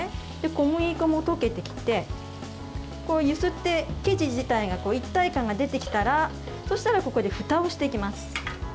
小麦粉も溶けてきて揺すって、生地自体が一体感が出てきたらそしたら、ここでふたをしていきます。